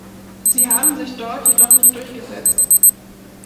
Sie haben sich dort jedoch nicht durchgesetzt.